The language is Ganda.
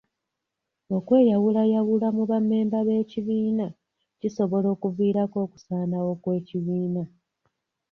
Okweyawulayawula mu bammemba b'ekibiina kisobola okuviirako okusaanawo kw'ekibiina.